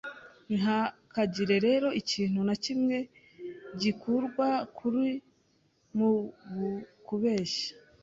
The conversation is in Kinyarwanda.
Ntihakagire rero ikintu na kimwe gikurwa mu kuri mu kubeshya